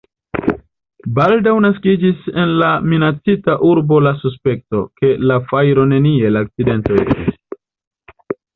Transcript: Baldaŭ naskiĝis en la minacita urbo la suspekto, ke la fajro neniel akcidento estis.